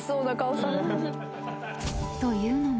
［というのも］